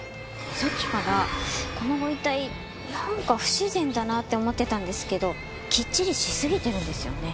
さっきからこのご遺体なんか不自然だなって思ってたんですけどきっちりしすぎてるんですよね。